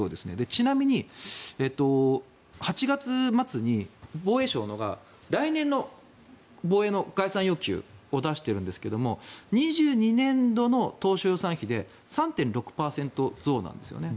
ちなみに、８月末に防衛省が来年の防衛の概算要求を出しているんですが２２年度の当初予算比で３．６％増なんですよね。